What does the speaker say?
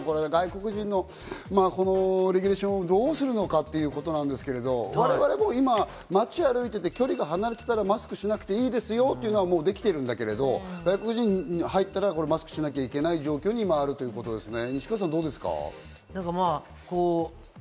外国人のレギュレーションをどうするのかってことですが、我々も今、街を歩いてて、距離が離れていたらマスクしなくていいですよっていうのはできてるんですが、外国人が入ったらマスクをしなきゃいけないという状況になるということですよね。